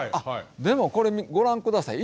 でも、これご覧ください。